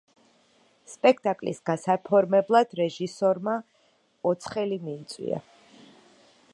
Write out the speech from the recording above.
სპექტაკლის გასაფორმებლად რეჟისორმა ოცხელი მიიწვია.